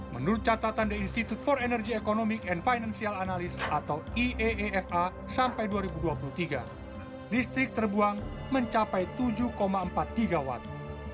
menurut catatan the institute for energy economic and financial analyst atau eeefa sampai dua ribu dua puluh tiga listrik terbuang mencapai tujuh empat puluh tiga watt